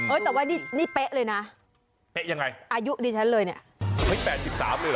แต่ว่านี่เป๊ะเลยนะอายุดิฉันเลยเนี่ยเป๊ะยังไง๘๓เลยเหรอ